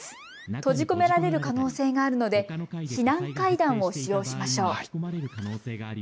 閉じ込められる可能性があるので避難階段を使用しましょう。